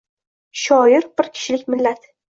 Shoir bir kishilik millat.